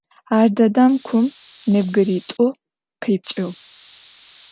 Ар дэдэм кум нэбгыритӏу къипкӏыгъ.